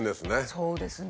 そうですね。